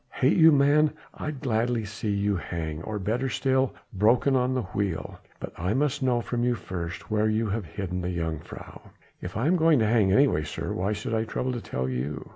"Hate you, man? I'd gladly see you hang, or better still broken on the wheel. But I must know from you first where you have hidden the jongejuffrouw." "If I am to hang anyway, sir, why should I trouble to tell you?"